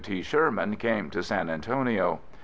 T. Sherman came to San Antonio.